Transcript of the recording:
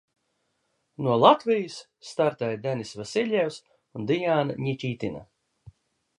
No Latvijas startēja Deniss Vasiļjevs un Diāna Ņikitina.